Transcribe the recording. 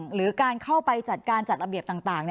หรือการเข้าไปจัดการจัดระเบียบต่าง